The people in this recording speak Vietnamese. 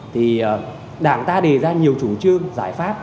thì đảng ta đề ra nhiều chủ trương giải pháp